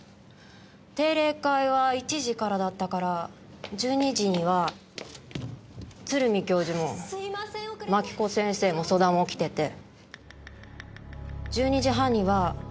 定例会は１時からだったから１２時には鶴見教授も槙子先生も曽田も来てて１２時半には。